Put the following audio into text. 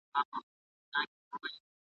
ژوند مي جهاني له نن سبا تمه شلولې ده